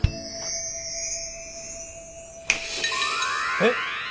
えっ？